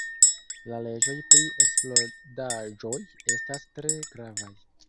La leĝoj pri eksplodaĵoj estas tre gravaj.